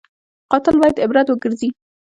قاتل باید عبرت وګرځي